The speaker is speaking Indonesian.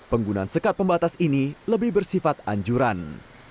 penggunaan sekat pembatas ini lebih bersifat anjuran